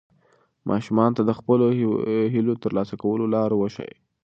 ماشومانو ته د خپلو هیلو د ترلاسه کولو لار وښایئ.